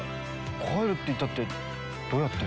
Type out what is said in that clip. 帰るって言ったってどうやって。